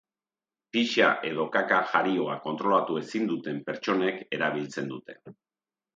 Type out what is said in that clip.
Pixa edo kaka jarioa kontrolatu ezin duten pertsonek erabiltzen dute.